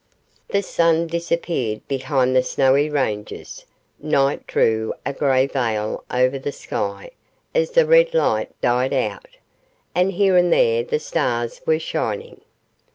The sun disappeared behind the snowy ranges night drew a grey veil over the sky as the red light died out, and here and there the stars were shining.